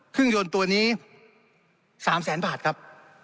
เครื่องยนต์ตัวนี้๓แสนบาทครับ